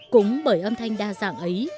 cũng bởi âm thanh đa dạng ấy